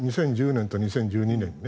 ２０１０年と２０１２年に。